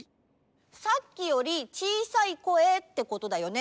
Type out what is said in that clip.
さっきよりちいさい声ってことだよね。